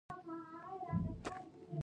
ستا د خوښې تلویزیون خپرونه څه ده؟